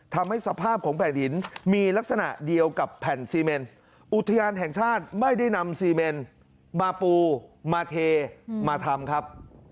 ทำให้สภาพของแผ่นดินมีลักษณะเดียวกับแผ่นซีเมนอุทยานแห่งชาติไม่ได้นำซีเมนมาปูมาเทมาทำครับ